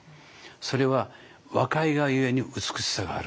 それは若いがゆえに美しさがある。